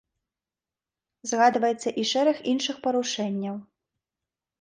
Згадваецца і шэраг іншых парушэнняў.